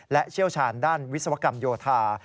และเชี่ยวชาญด้านวิศวกรรมโยธา